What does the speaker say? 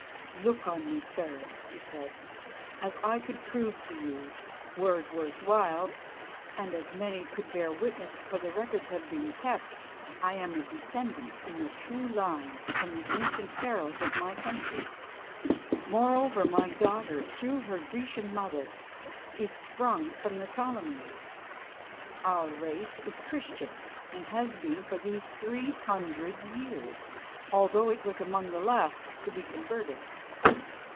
"Look on me, sir," he said. "As I could prove to you, were it worth while, and as many could bear witness, for the records have been kept, I am a descendant in the true line from the ancient Pharaohs of my country. Moreover, my daughter, through her Grecian mother, is sprung from the Ptolemies. Our race is Christian, and has been for these three hundred years, although it was among the last to be converted.